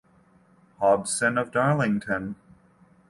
Hobson of Darlington.